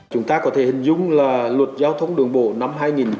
chúng ta có thể hình dung là luật giao thông đường bộ năm hai nghìn một mươi